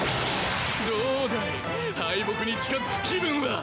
どうだい敗北に近づく気分は。